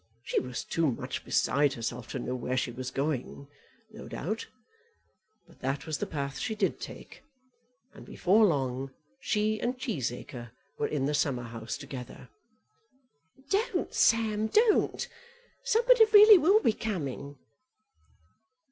She was too much beside herself to know where she was going, no doubt. But that was the path she did take, and before long she and Cheesacre were in the summerhouse together. "Don't, Sam, don't! Somebody really will be coming.